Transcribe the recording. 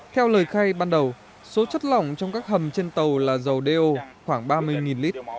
theo lời khai ban đầu số chất lỏng trong các hầm trên tàu là dầu do khoảng ba mươi lít